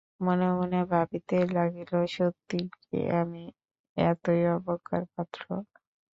মনে মনে ভাবিতে লাগিল, সত্যই কি আমি এতই অবজ্ঞার পাত্র?